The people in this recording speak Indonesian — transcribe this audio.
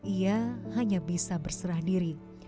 ia hanya bisa berserah diri